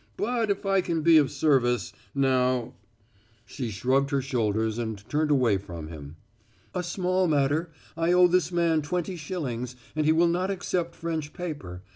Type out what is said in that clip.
"But if I can be of service now " She shrugged her shoulders and turned away from him. "A small matter. I owe this man twenty shillings, and he will not accept French paper.